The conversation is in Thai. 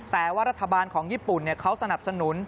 แต่ว่ารัฐบาลของญี่ปุ่นเขาสนับสนุน